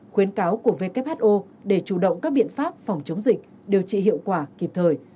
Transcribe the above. khuyến cáo của who để chủ động các biện pháp phòng chống dịch điều trị hiệu quả kịp thời